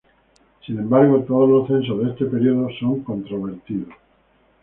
Sin embargo todos los censos de este periodo son controvertidos.